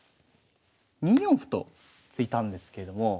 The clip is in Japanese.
２四歩と突いたんですけれども。